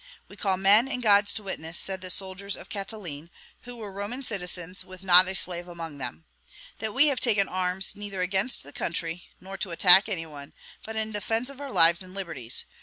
"We call men and gods to witness," said the soldiers of Catiline, who were Roman citizens with not a slave among them, "that we have taken arms neither against the country, nor to attack any one, but in defence of our lives and liberties.